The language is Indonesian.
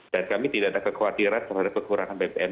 dan kami tidak ada kekhawatiran terhadap kekurangan bbm